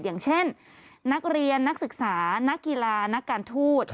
อย่างเช่นนักเรียนนักศึกษานักกีฬานักการทูต